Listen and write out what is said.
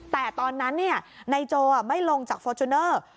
แต่ตอนนั้นนายโจไม่ลงจากฟอร์จูเนอร์